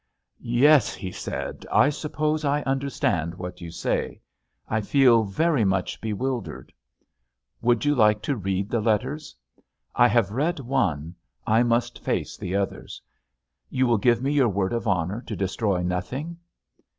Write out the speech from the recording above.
"Yes," he said, "I suppose I understand what you say. I feel very much bewildered." "Would you like to read the letters?" "I have read one; I must face the others." "You will give me your word of honour to destroy nothing?"